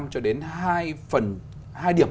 cho đến hai điểm